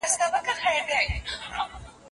آیا د میږیانو کار د مچیو تر کار منظم دی؟